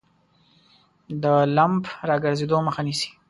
د لمف د راګرځیدو مخه نیسي.